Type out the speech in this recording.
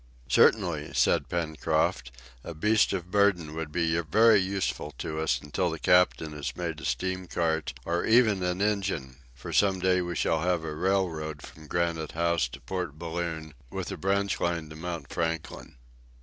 "Certainly," said Pencroft, "a beast of burden would be very useful to us until the captain has made a steam cart, or even an engine, for some day we shall have a railroad from Granite House to Port Balloon, with a branch line to Mount Franklin!"